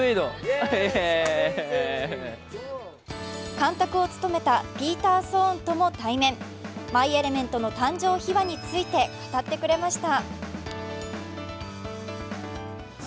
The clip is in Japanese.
監督を務めたピーター・ソーンとも対面、「マイ・エレメント」の誕生秘話について語ってくれました。